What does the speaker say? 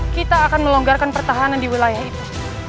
kita akan melonggarkan pertahanan di wilayah itu